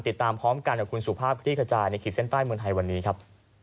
ติดตามพร้อมกันกับคุณสุภาพคลี่ขจายในขีดเส้นใต้เมืองไทยวันนี้ครับ